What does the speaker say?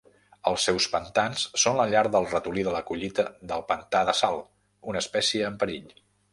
Els seus pantans són la llar del ratolí de la collita del pantà de sal, una espècie en perill.